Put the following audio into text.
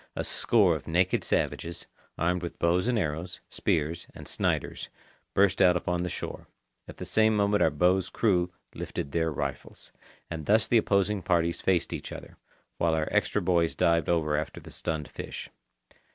A score of naked savages, armed with bows and arrows, spears, and Sniders, burst out upon the shore. At the same moment our boat's crew lifted their rifles. And thus the opposing parties faced each other, while our extra boys dived over after the stunned fish.